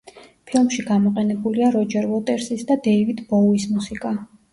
ფილმში გამოყენებულია როჯერ უოტერსის და დეივიდ ბოუის მუსიკა.